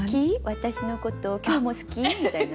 私のこと今日も好き？」みたいな。